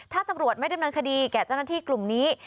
ถ้าตำรวจไม่ดำเนินคดีแก่เจ้าหน้าที่กลุ่มนี้